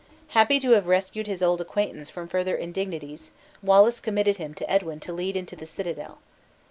Happy to have rescued his old acquaintance from further indignities, Wallace committed him to Edwin to lead into the citadel.